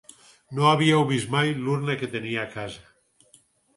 No havíeu vist mai l'urna que tenia a casa?